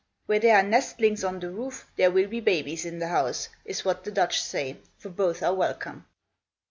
"Where there are nestlings on the roof, there will be babies in the house," is what the Dutch say; for both are welcome.